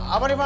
apa nih pak